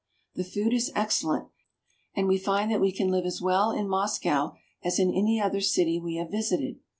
The food is excellent, and we find that we can live as well in Moscow as in any other city we have visited.